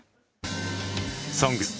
「ＳＯＮＧＳ」